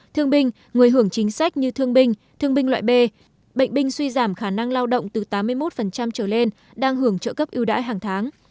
thương binh người hưởng chính sách như thương binh thương binh loại b bệnh binh suy giảm khả năng lao động từ tám mươi một trở lên đang hưởng trợ cấp yêu đãi hàng tháng